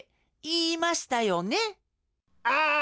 ああ！